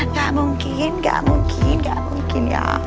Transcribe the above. tak mungkin gak mungkin gak mungkin ya